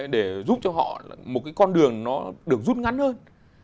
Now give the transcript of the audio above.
để giúp cho họ một con đường được rút ngắn hơn